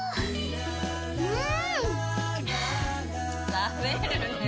食べるねぇ。